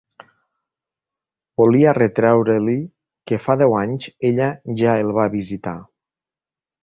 Voldria retreure-li que fa deu anys ella ja el va visitar.